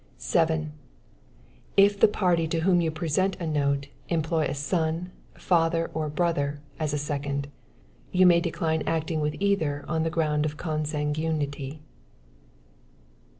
7. If the party, to whom you present a note, employ a son, father or brother, as a second, you may decline acting with either on the ground of consanguinity.